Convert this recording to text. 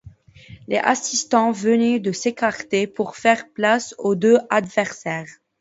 Les assistants venaient de s’écarter pour faire place aux deux adversaires.